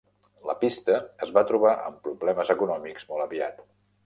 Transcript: La pista es va trobar amb problemes econòmics molt aviat.